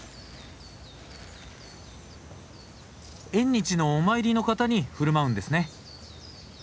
縁日のお参りの方に振る舞うんですね。